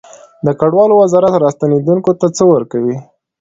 د کډوالو وزارت راستنیدونکو ته څه ورکوي؟